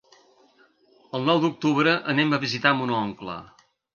El nou d'octubre anem a visitar mon oncle.